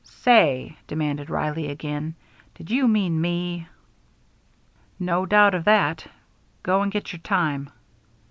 "Say," demanded Reilly again, "did ye mean me?" "No doubt of that. Go and get your time."